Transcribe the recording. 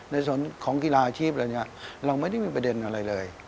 ในส่วนของกีฬาอาชีพอะไรเนี่ยเราไม่ได้มีประเด็นอะไรเลย